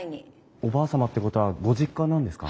おばあ様ってことはご実家なんですか？